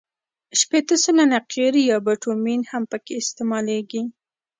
شپېته سلنه قیر یا بټومین هم پکې استعمالیږي